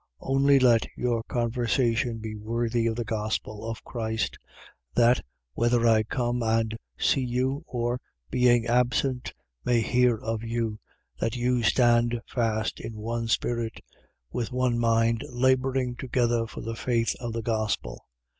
1:27. Only let your conversation be worthy of the gospel of Christ: that, whether I come and see you, or, being absent, may hear of you, that you stand fast in one spirit, with one mind labouring together for the faith of the gospel.